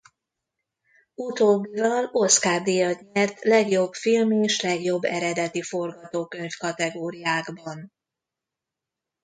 Utóbbival Oscar-díjat nyert legjobb film és legjobb eredeti forgatókönyv kategóriákban.